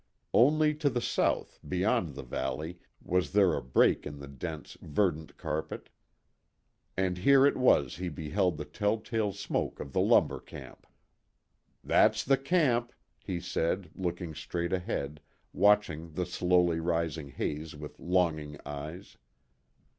Only to the south, beyond the valley, was there a break in the dense, verdant carpet. And here it was he beheld the telltale smoke of the lumber camp. "That's the camp," he said, looking straight ahead, watching the slowly rising haze with longing eyes.